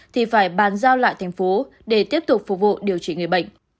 thì phải bàn giao lại thành phố để tiếp tục phục vụ điều trị người bệnh